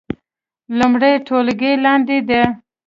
لومړۍ ټولګی لاندې ده